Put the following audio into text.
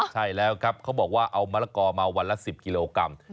ใช่แล้วครับเขาบอกว่าเอามะละกอมาวันละ๑๐กิโลกรัม